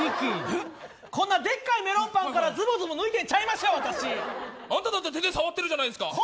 こんなでっかいメロンパンからずぼずぼ抜いてるんあなただって手で触ってるじゃないですか。